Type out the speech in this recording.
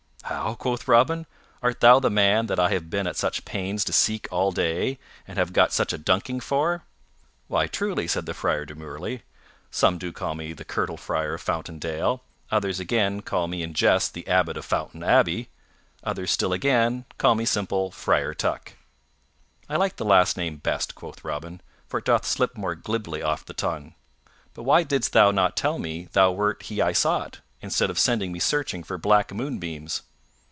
"How?" quoth Robin, "art thou the man that I have been at such pains to seek all day, and have got such a ducking for?" "Why, truly," said the Friar demurely, "some do call me the Curtal Friar of Fountain Dale; others again call me in jest the Abbot of Fountain Abbey; others still again call me simple Friar Tuck." "I like the last name best," quoth Robin, "for it doth slip more glibly off the tongue. But why didst thou not tell me thou wert he I sought, instead of sending me searching for black moonbeams?"